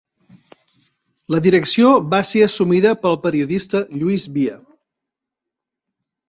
La direcció va ser assumida pel periodista Lluís Via.